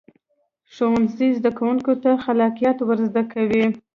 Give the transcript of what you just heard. ښوونځی زده کوونکو ته خلاقیت ورزده کوي